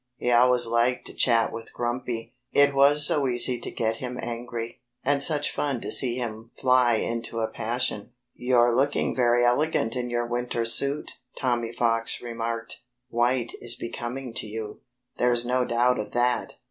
He always liked to chat with Grumpy, it was so easy to get him angry, and such fun to see him fly into a passion. "You're looking very elegant in your winter suit," Tommy Fox remarked. "White is becoming to you there's no doubt of that.